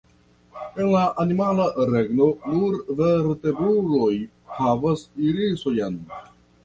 En la animala regno, nur vertebruloj havas irisojn.